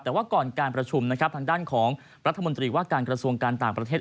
แต่ว่าก่อนการประชุมนะครับทางด้านของรัฐมนตรีว่าการกระทรวงการต่างประเทศ